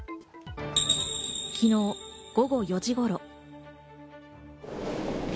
昨日午後４時頃。